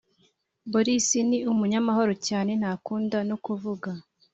boris ni umunyamahoro cyane ntakunda no kuvuga